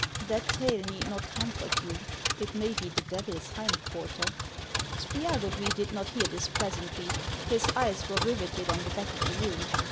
" That tail need not comfort you. It may be the Devil's hind quarter." Spiagudry did not hear this pleasantry. His eyes were riveted on the back of the room.